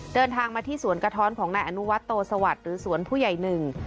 เดินทางมาที่สวนกระท้อนของนายอนุวัฒนโตสวัสดิ์หรือสวนผู้ใหญ่หนึ่ง